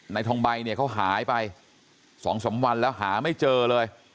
ทองใบเนี่ยเขาหายไป๒๓วันแล้วหาไม่เจอเลย